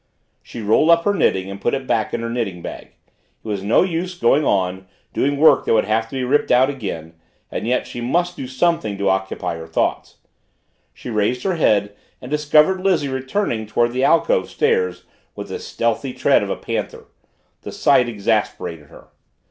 She rolled up her knitting and put it back in her knitting bag; it was no use going on, doing work that would have to be ripped out again and yet she must do something to occupy her thoughts. She raised her head and discovered Lizzie returning toward the alcove stairs with the stealthy tread of a panther. The sight exasperated her.